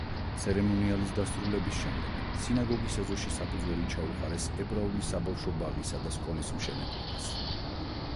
ცერემონიალის დასრულების შემდეგ სინაგოგის ეზოში საფუძველი ჩაუყარეს ებრაული საბავშვო ბაღისა და სკოლის მშენებლობას.